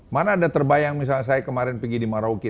mana ada terbayang misalnya saya kemarin pergi di marauke